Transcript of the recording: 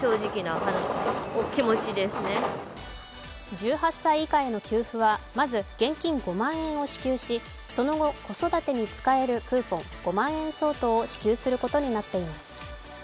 １８歳以下への給付はまず現金５万円を支給しその後、子育てに使えるクーポン５万円相当を支給することになっています。